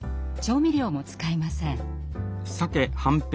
調味料も使いません。